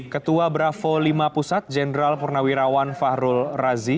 ketua bravo lima pusat jenderal purnawirawan fahrul razi